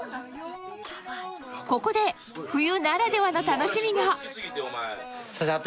ここで冬ならではの楽しみがすいません